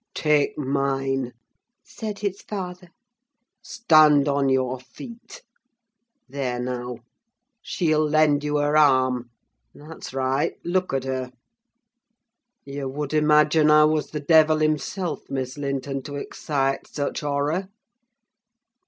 "Take mine," said his father; "stand on your feet. There now—she'll lend you her arm: that's right, look at her. You would imagine I was the devil himself, Miss Linton, to excite such horror.